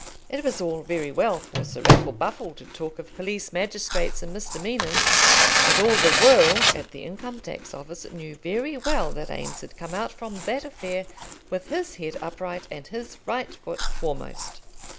It was all very well for Sir Raffle Buffle to talk of police magistrates and misdemeanours, but all the world at the Income tax Office knew very well that Eames had come out from that affair with his head upright, and his right foot foremost.